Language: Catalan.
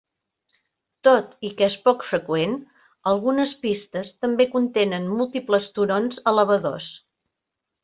Tot i que és poc freqüent, algunes pistes també contenen múltiples turons elevadors.